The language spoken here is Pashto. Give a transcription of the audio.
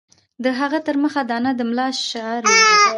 او هغه تر مخه دانه د ملا شعر وو.